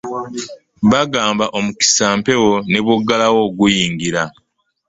Bagamba omukisa mpewo ne bw'oggalawo guyingira.